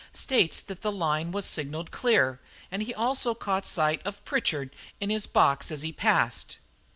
states that the line was signalled clear, and he also caught sight of Pritchard in his box as he passed."